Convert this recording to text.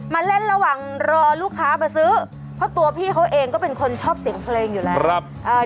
มาเล่นระหว่างรอลูกค้ามาซื้อเพราะตัวพี่เขาเองก็เป็นคนชอบเสียงเพลงอยู่แล้ว